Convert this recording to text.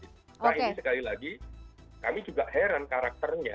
nah ini sekali lagi kami juga heran karakternya